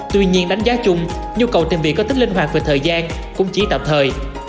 tuy nhiên đánh giá chung nhu cầu tìm việc có tính linh hoạt về thời gian cũng chỉ tạm thời